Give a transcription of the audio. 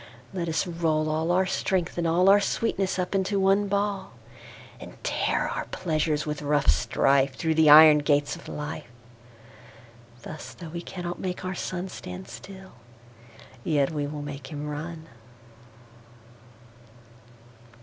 Let us roll all our Strength, and allOur sweetness, up into one Ball:And tear our Pleasures with rough strife, Thorough the Iron gates of Life.Thus, though we cannot make our SunStand still, yet we will make him run.